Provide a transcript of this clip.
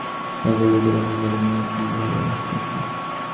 পাগলদিদি কাতরকণ্ঠে বলেন, এ কী হল শশী?